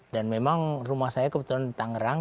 dan memang rumah saya kebetulan di tangerang